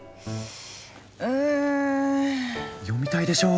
うん。読みたいでしょう？